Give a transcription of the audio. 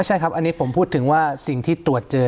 ใช่ครับอันนี้ผมพูดถึงว่าสิ่งที่ตรวจเจอ